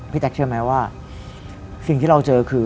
แจ๊คเชื่อไหมว่าสิ่งที่เราเจอคือ